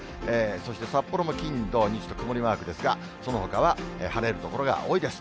そして札幌も金、土、日と曇りマークですが、そのほかは晴れる所が多いです。